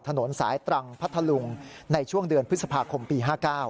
ถนนสายตรังพัทธลุงในช่วงเดือนพฤษภาคมปี๕๙